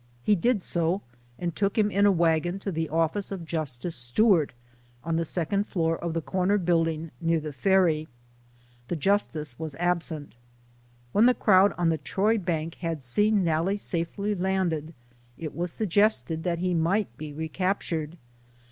He did so, and took him in a wagon to the office of Justice Stewart, on the second floor of the corner building near the ferry. The Justice was absent. LIFE OF HARRIET TUBMAN. 99 When the crowd on the Troy bank had seen Nalle safely landed, it was suggested that he might be recaptured.